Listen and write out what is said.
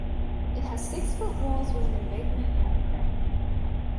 It has six foot walls with an embankment and moat.